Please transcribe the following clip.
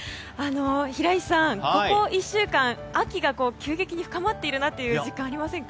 平石さん、ここ１週間秋が急激に深まっているなという実感ありませんか？